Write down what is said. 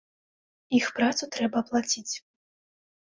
Іх працу трэба аплаціць.